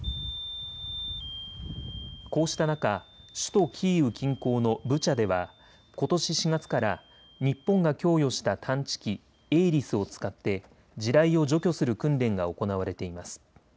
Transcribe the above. こうした中、首都キーウ近郊のブチャではことし４月から日本が供与した探知機、ＡＬＩＳを使って地雷を除去する訓練が行われています。